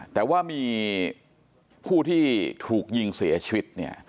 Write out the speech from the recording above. แต่ว่ามีผู้ที่ถูกยิงเสียชีวิตเนี่ย